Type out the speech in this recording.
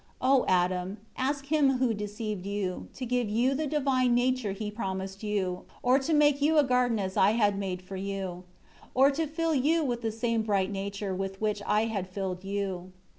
5 O Adam, ask him who deceived you, to give you the divine nature he promised you, or to make you a garden as I had made for you; or to fill you with that same bright nature with which I had filled you.